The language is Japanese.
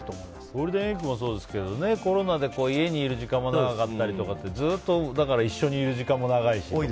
ゴールデンウィークもそうですけどコロナで家にいる時間が長かったりとか一緒にいる時間も長いし。